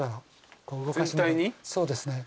そうですね。